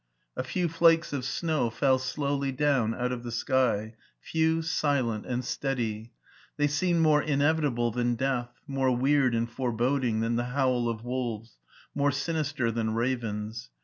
A few flakes of snow fell slowly down out of the sky; few, silent, and steady; they seemed more inevitable than death, more weird and foreboding than the howl of wolves, more sinister than ravens.